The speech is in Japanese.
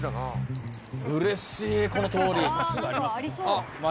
うれしいこの通り。